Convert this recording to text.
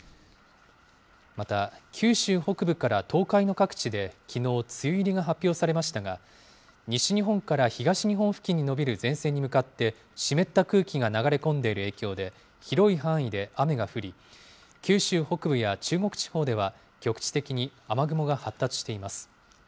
また、九州北部から東海の各地できのう、梅雨入りが発表されましたが、西日本から東日本付近に延びる前線に向かって、湿った空気が流れ込んでいる影響で、広い範囲で雨が降り、九州北部や中国地方では局地的に雨雲が発達しています。